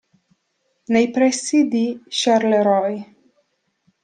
Nei pressi di Charleroi.